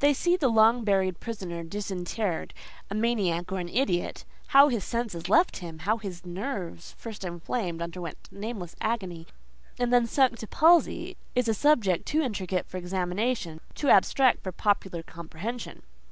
They see the long buried prisoner disinterred, a maniac or an idiot!—how his senses left him—how his nerves, first inflamed, underwent nameless agony, and then sunk to palsy—is a subject too intricate for examination, too abstract for popular comprehension.